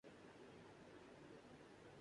سعودی عرب میں سرمایہ کاری لانے کے لیے بنائے گئے